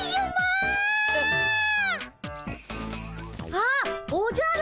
あっおじゃる。